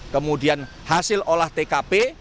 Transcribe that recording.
kemudian hasil olah tkp